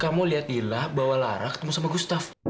kamu lihat ilah bahwa lara ketemu gustaf